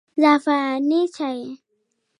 زعفراني چای